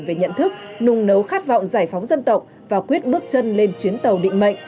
về nhận thức nung nấu khát vọng giải phóng dân tộc và quyết bước chân lên chuyến tàu định mệnh